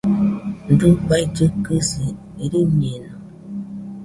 Dafai kɨkɨsi rɨñeno